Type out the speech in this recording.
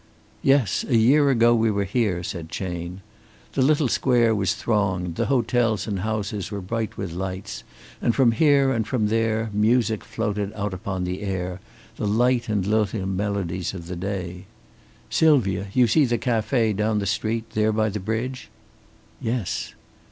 "Yes, a year ago we were here," said Chayne. The little square was thronged, the hotels and houses were bright with lights, and from here and from there music floated out upon the air, the light and lilting melodies of the day. "Sylvia, you see the café down the street there by the bridge?" "Yes."